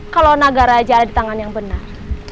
kalau naga raja ada di tangan yang benar